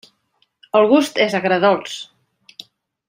El gust és agredolç.